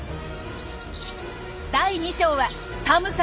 第２章は寒さ